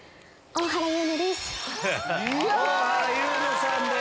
大原優乃です。